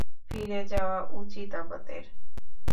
ফিরে যাওয়া উচিৎ আমাদের।